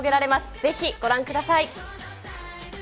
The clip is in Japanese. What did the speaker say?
ぜひご覧ください。